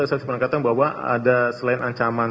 saya turut turut katakan bahwa ada selain ancaman